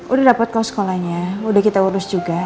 udah dapet kok sekolahnya udah kita urus juga